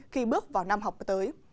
khi bước vào năm học tới